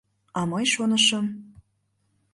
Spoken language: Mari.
А мый шонышым...